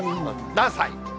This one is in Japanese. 何歳？